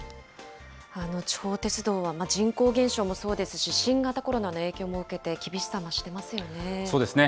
地方鉄道は人口減少もそうですし、新型コロナの影響も受けて、そうですね。